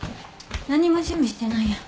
何も準備してないや。